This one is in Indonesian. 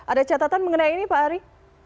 ada catatan mengenai ini pak ari